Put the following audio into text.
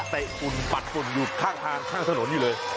ฝุ่นปัดฝุ่นอยู่ข้างทางข้างถนนอยู่เลย